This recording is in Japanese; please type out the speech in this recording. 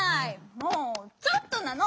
もう「ちょっと」なの？